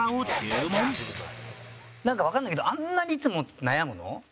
なんかわかんないけどあんなにいつも悩むの？